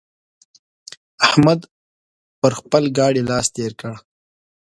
احمد پر خپل ګاډي لاس تېر کړ.